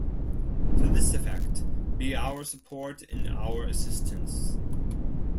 To this effect, be our support and our assistance.